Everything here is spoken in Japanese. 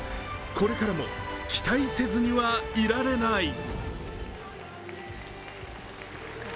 これからも期待せずにはいられない。